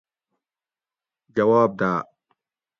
جواب داۤ